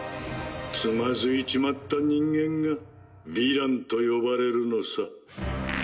つまずいちまった人間がヴィランと呼ばれるのさ。